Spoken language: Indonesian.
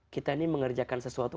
kita ini mengerjakan sesuatu